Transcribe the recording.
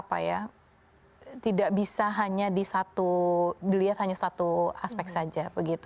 problem gender itu tidak bisa dilihat hanya di satu aspek saja